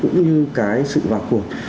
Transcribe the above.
cũng như cái sự vào cuộc